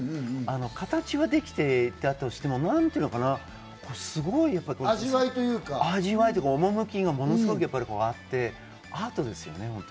形はできていたとしても、すごい味わいというか趣がものすごくあって、アートですよね。